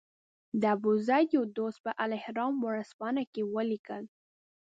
د ابوزید یو دوست په الاهرام ورځپاڼه کې ولیکل.